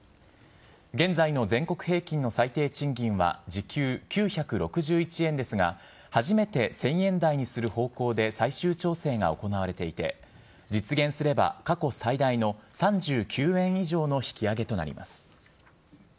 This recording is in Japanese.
現在の全国平均の最低賃金は時給９６１円ですが初めて１０００円台にする方向で最終調整が行われていて実現すれば過去最大の３９円以上の引き上げとなります。